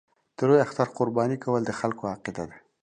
د لوی اختر قرباني کول د خلکو عقیده ده.